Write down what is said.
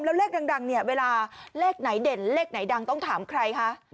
แล้วเลขดังเนี่ยเวลาเลขไหนเด่นเลขไหนดังต้องถามใครคะ